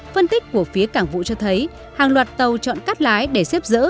phân tích của phía cảng vũ cho thấy hàng loạt tàu chọn cắt lái để xếp dỡ